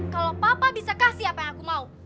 kalau papa bisa kasih apa yang aku mau